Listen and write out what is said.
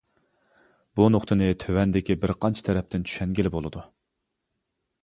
بۇ نۇقتىنى تۆۋەندىكى بىرقانچە تەرەپتىن چۈشەنگىلى بولىدۇ.